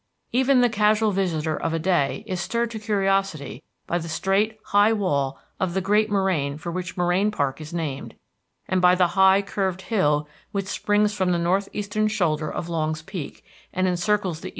Even the casual visitor of a day is stirred to curiosity by the straight, high wall of the great moraine for which Moraine Park is named, and by the high curved hill which springs from the northeastern shoulder of Longs Peak, and encircles the eastern foot of Mount Meeker.